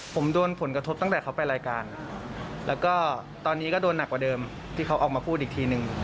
ผมโดนผลกระทบตั้งแต่เขาไปรายการแล้วก็ตอนนี้ก็โดนหนักกว่าเดิมที่เขาออกมาพูดอีกทีนึง